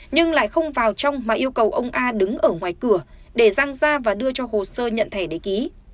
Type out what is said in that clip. nhưng lại không vào trong mà yêu cầu ông a đứng ở ngoài cửa để răng ra và đưa cho hồ sơ nhận thẻ để ký